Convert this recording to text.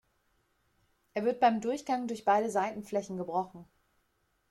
Er wird beim Durchgang durch beide Seitenflächen gebrochen.